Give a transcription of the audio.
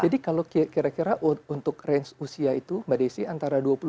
jadi kalau kira kira untuk range usia itu mbak desy antara dua puluh lima sampai dengan empat puluh lima tahun